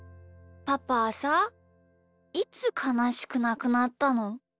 パパはさいつかなしくなくなったの？